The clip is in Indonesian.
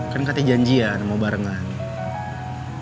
kan kata janjian mau barengan